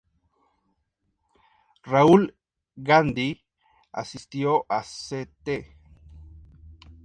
Rahul Gandhi asistió a St.